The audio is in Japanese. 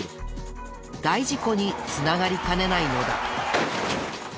大事故に繋がりかねないのだ。